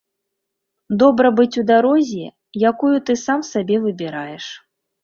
Добра быць у дарозе, якую ты сам сабе выбіраеш